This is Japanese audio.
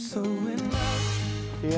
いや。